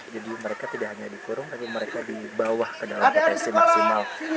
jadi mereka tidak hanya dikurung tapi mereka dibawah ke dalam potensi maksimal